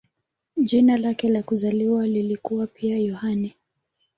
Jina lake la kuzaliwa lilikuwa pia "Yohane".